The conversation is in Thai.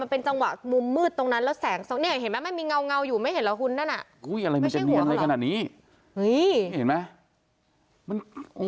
มันเป็นจังหวะมุมมืดตรงนั้นแล้วแสง